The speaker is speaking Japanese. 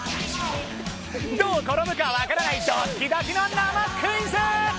どう転ぶか分からないドッキドキの生クイズ。